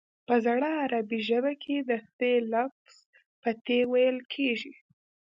په زړه عربي ژبه کې د ث لفظ په ت ویل کیږي